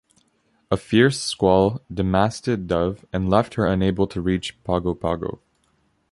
A fierce squall demasted "Dove" and left her unable to reach Pago Pago.